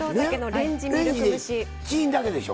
レンジでチンだけでしょ？